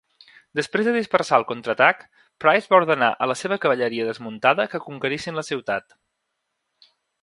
Després de dispersar el contraatac, Price va ordenar a la seva cavalleria desmuntada que conquerissin la ciutat.